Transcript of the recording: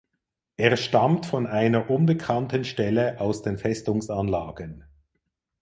Er stammt von einer unbekannten Stelle aus den Festungsanlagen.